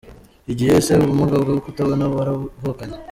Igihe : Ese ubumuga bwo kutabona warabuvukanye ?.